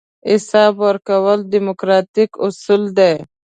حساب ورکول دیموکراتیک اصل دی.